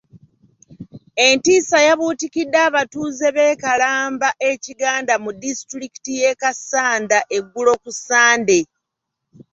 Entiisa yabuutikidde abatuuze b'e Kalamba e Kiganda mu disitulikiti y'e Kassanda eggulo ku Ssande.